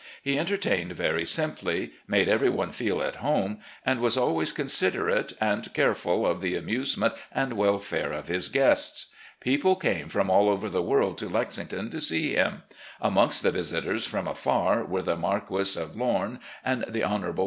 He en tertained very simply, made every one feel at home, and was always considerate and careful of the amusement and welfare of his guests. People came from all over the world to Lexington to see him. Amongst the visitors from afar were the Marquis of Lome and the Hon. Mr.